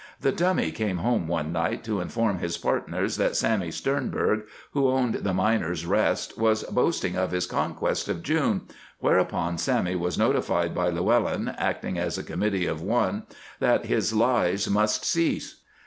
The Dummy came home one night to inform his partners that Sammy Sternberg, who owned the Miners' Rest, was boasting of his conquest of June, whereupon Sammy was notified by Llewellyn, acting as a committee of one, that his lies must cease.